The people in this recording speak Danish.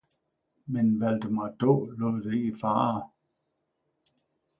men Valdemar Daae lod det ikke fare!